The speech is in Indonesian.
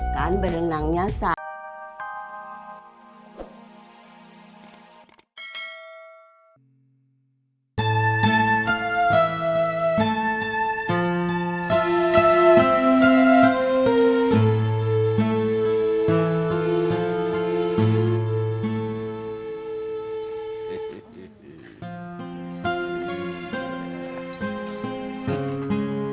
kan berenangnya sadar